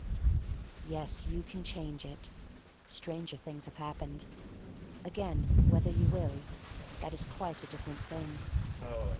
Yes, you can change it. Stranger things have happened. Again, whether you will — that is a quite different thing.